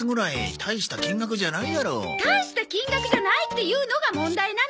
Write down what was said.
大した金額じゃないっていうのが問題なの！